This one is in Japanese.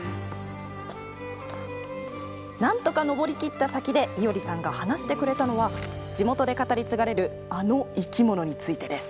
なんとか登り切った先で伊折さんが話してくれたのは地元で語り継がれるあの生き物についてです。